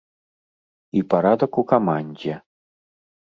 І парадак у камандзе.